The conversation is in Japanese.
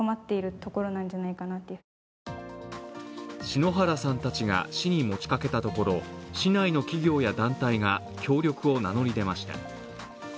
篠原さんたちが市に持ちかけたところ市内の企業や団体が協力を名乗り出ました。